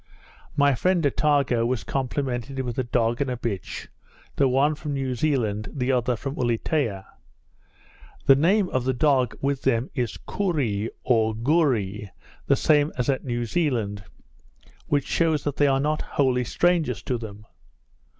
My friend Attago was complimented with a dog and a bitch, the one from New Zealand, the other from Ulietea. The name of a dog with them is kooree or gooree, the same as at New Zealand, which shews that they are not wholly strangers to them.